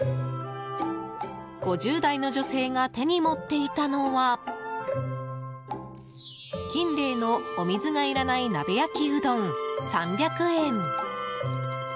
５０代の女性が手に持っていたのはキンレイのお水がいらない鍋焼うどん３００円。